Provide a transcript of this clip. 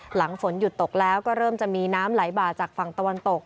หลังฝนหยุดตกแล้วก็เริ่มจะมีน้ำไหลบ่าจากฝั่งตะวันตก